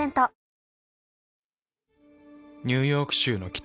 ニューヨーク州の北。